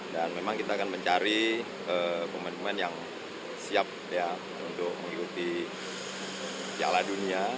dan memang kita akan mencari pemain pemain yang siap untuk mengikuti piala dunia